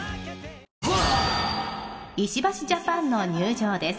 「石橋ジャパンの入場です」